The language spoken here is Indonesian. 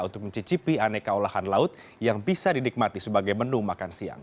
untuk mencicipi aneka olahan laut yang bisa dinikmati sebagai menu makan siang